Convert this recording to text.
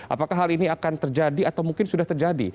apakah hal ini akan terjadi atau mungkin sudah terjadi